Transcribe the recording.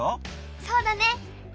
そうだね！